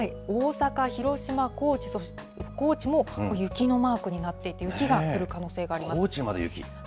大阪、広島、高知も雪のマークになっていて、雪が降る可能性高知まで雪。